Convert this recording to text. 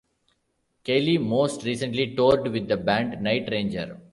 Kelli most recently toured with the band Night Ranger.